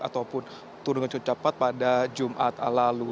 ataupun turun dengan cepat pada jumat lalu